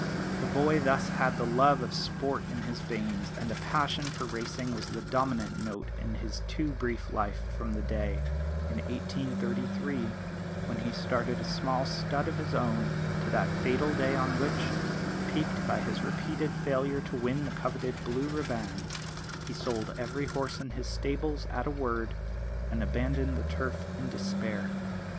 The boy thus had the love of sport in his veins; and a passion for racing was the dominant note in his too brief life from the day, in 1833, when he started a small stud of his own, to that fatal day on which, piqued by his repeated failure to win the coveted "blue riband," he sold every horse in his stables at a word, and abandoned the Turf in despair.